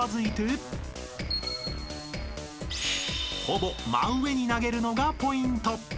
［ほぼ真上に投げるのがポイント］